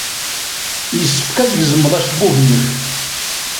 Yessefk ad tgezmeḍ acebbub-nnek.